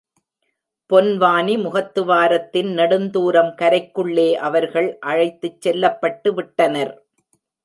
பொன்வானி முகத்துவாரத்தின் நெடுந்துாரம் கரைக்குள்ளே அவர்கள் அழைத்துச் செல்லப்பட்டு விட்டனர்.